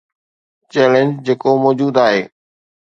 Challenge جيڪو موجود آهي.